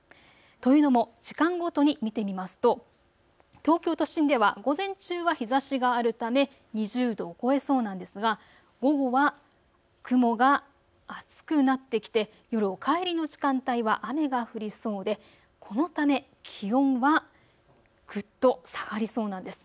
というのも時間ごとに見てみますと東京都心では午前中は日ざしがあるため２０度を超えそうなんですが午後は雲が厚くなってきて夜、お帰りの時間帯は雨が降りそうで、このため気温はぐっと下がりそうなんです。